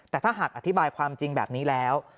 แต่ถ้าหากอธิบายความจริงแบบนี้แล้ว